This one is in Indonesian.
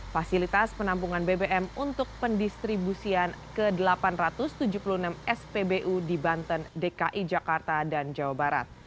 fasilitas penampungan bbm untuk pendistribusian ke delapan ratus tujuh puluh enam spbu di banten dki jakarta dan jawa barat